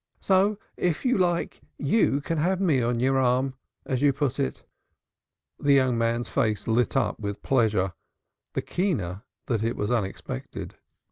So, if you like, you can have me on your arm, as you put it." The young man's face lit up with pleasure, the keener that it was unexpected.